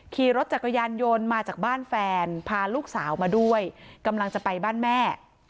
ขี่รถจักรยานยนต์มาจากบ้านแฟนพาลูกสาวมาด้วยกำลังจะไปบ้านแม่